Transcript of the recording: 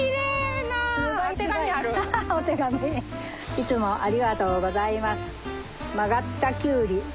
「いつもありがとうございますまがったＱり」。